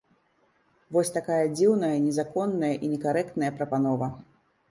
Вось такая дзіўная, незаконная і некарэктная прапанова.